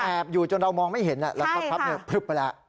แอบอยู่จนเรามองไม่เห็นแล้วแล้วคลับเนี่ยพลึกไปแล้ว